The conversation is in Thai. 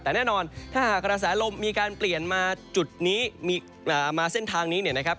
แต่แน่นอนถ้าหากกระแสลมมีการเปลี่ยนมาจุดนี้มาเส้นทางนี้เนี่ยนะครับ